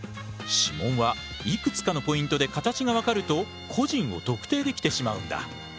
指紋はいくつかのポイントで形がわかると個人を特定できてしまうんだ。